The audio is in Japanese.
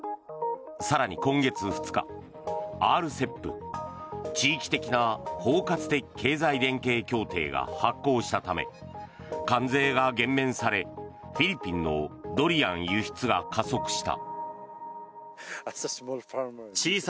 更に今月２日、ＲＣＥＰ・地域的な包括的経済連携協定が発効したため関税が減免されフィリピンのドリアン輸出が加速した。